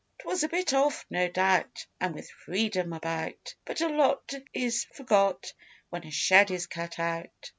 'Twas a bit off, no doubt And with Freedom about But a lot is forgot when a shed is cut out.